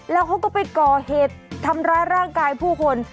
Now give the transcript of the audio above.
แล้วเขาก็ไปก่อเหตุทำร้ายร่างกายผู้คน